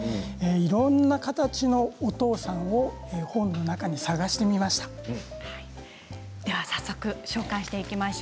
いろんな形のお父さんを本の中に探してみました。